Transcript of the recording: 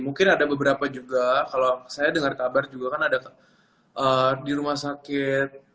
mungkin ada beberapa juga kalau saya dengar kabar juga kan ada di rumah sakit